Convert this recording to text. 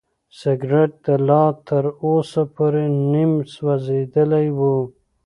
سګرټ لا تر اوسه پورې نیم سوځېدلی و.